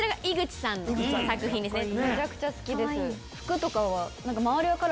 めちゃくちゃ好きです。